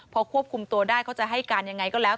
พอควบคุมตัวได้เขาจะให้การยังไงก็แล้ว